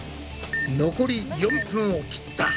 残り４分を切った。